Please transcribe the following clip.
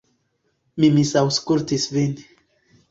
Mi misaŭskultis vin.